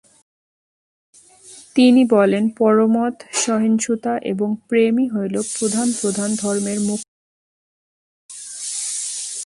তিনি বলেন, পরমত-সহিষ্ণুতা এবং প্রেমই হইল প্রধান প্রধান ধর্মের মুখ্য উদ্দীপনা।